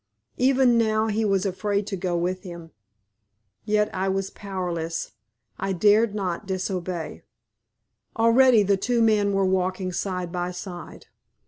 Even now he was afraid to go with him. Yet I was powerless, I dared not disobey. Already the two men were walking side by side.